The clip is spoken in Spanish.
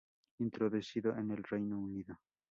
Introducido en el Reino Unido.